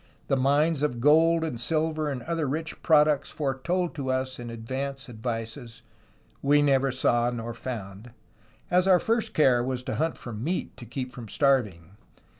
The mines of gold and silver and other rich products foretold to us in advance advices we never saw nor found, as our first care was to hunt for meat to keep from starving.